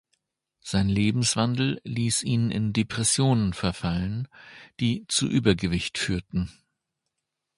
Sein Lebenswandel ließ ihn in Depressionen verfallen, die zu Übergewicht führten.